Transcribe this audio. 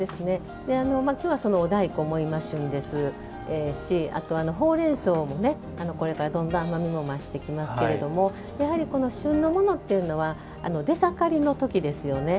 今日はお大根も今、旬ですしあと、ほうれんそうもこれから、どんどん甘みが増してきますけども旬のものっていうのは出盛りの時ですよね。